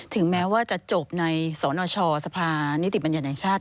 ถึงแม้ว่าจะจบในสนชสภานิติบัญญัติแห่งชาติ